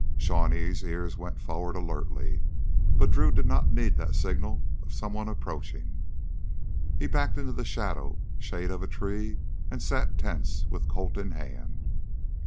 Shawnee's ears went forward alertly, but Drew did not need that signal of someone's approaching. He backed into the shadow shade of a tree and sat tense, with Colt in hand.